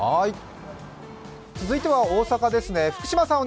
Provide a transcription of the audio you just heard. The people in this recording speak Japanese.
続いては大阪ですね、福島さん